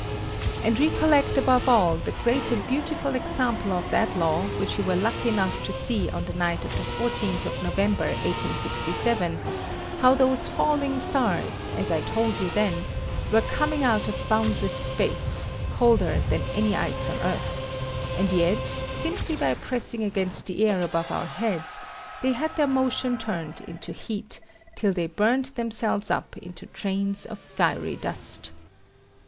And recollect above all the great and beautiful example of that law which you were lucky enough to see on the night of the 14th of November 1867, how those falling stars, as I told you then, were coming out of boundless space, colder than any ice on earth, and yet, simply by pressing against the air above our heads, they had their motion turned into heat, till they burned themselves up into trains of fiery dust.